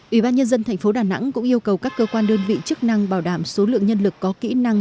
ủy ban nhân dân thành phố đà nẵng cũng yêu cầu các cơ quan đơn vị chức năng bảo đảm số lượng nhân lực có kỹ năng